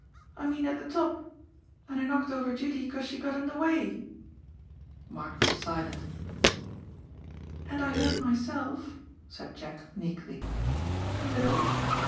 I mean at the top. And I knocked over Judy, 'cause she got in the way." Margaret was silent. " And I hurt myself," said Jack meekly. " A little."